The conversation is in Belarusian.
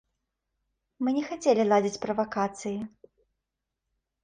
Мы не хацелі ладзіць правакацыі.